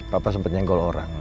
papa sempet nyenggol orang